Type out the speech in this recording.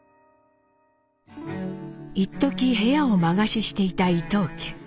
いっとき部屋を間貸ししていた伊藤家。